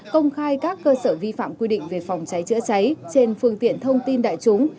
công khai các cơ sở vi phạm quy định về phòng cháy chữa cháy trên phương tiện thông tin đại chúng